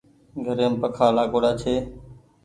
گھريم پکآ لآگوڙآ ڇي۔